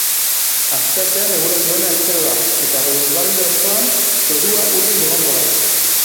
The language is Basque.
Asteartean eguraldi ona espero da eta lurralde osoan zerua urdin egongo da.